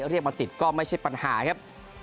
เรียกมาติดก็ไม่ใช่ปัญหาครับ